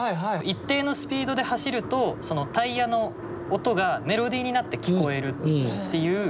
一定のスピードで走るとタイヤの音がメロディーになって聞こえるっていう。